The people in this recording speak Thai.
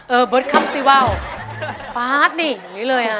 เออเมิดค่ำสิว่าวฟาดนี่อย่างนี้เลย